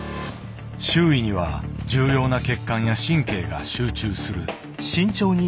周囲には重要な血管や神経が集中する。